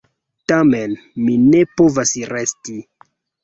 Tamen mi ne povas resti.